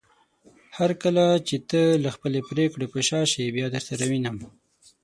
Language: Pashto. هرکله چې ته له خپلې پریکړې په شا شې بيا درسره وينم